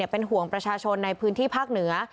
เป็นห่วงประชาชนในพื้นที่ภาคเหนือ